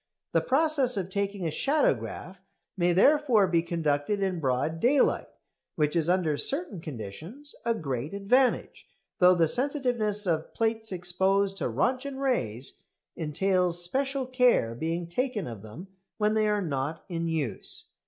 The process of taking a shadowgraph may therefore be conducted in broad daylight, which is under certain conditions a great advantage, though the sensitiveness of plates exposed to Röntgen rays entails special care being taken of them when they are not in use.